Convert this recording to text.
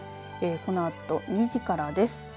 このあと２時からです。